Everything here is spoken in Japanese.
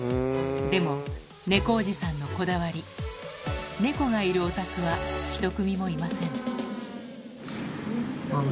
でもネコおじさんのこだわりネコがいるお宅は１組もいません